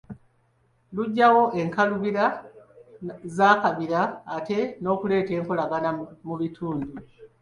Luggyawo enkalubira z'akabira ate n’okuleeta enkolagana mu bitundu.